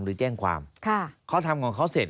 หรือแจ้งความเขาทำของเขาเสร็จ